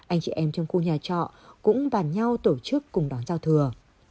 anh chị em trong khu nhà trọ cũng bàn nhau tổ chức cùng đón giao thừa